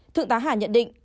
thượng tá hà nhận định